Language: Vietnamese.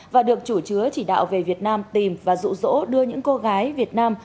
và được chủ chứa chỉ đạo về việt nam tìm và rụ rỗ đưa những cô gái việt nam